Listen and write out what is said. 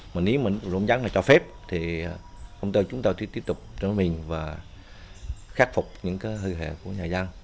mà nếu rung trắng là cho phép thì công ty chúng ta sẽ tiếp tục nổ mìn và khắc phục những hơi hệ của nhà dân